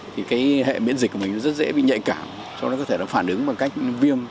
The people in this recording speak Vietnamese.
thì cái hệ miễn dịch của mình rất dễ bị nhạy cảm cho nó có thể nó phản ứng bằng cách viêm